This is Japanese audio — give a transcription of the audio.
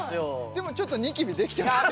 でもちょっとニキビできてますよ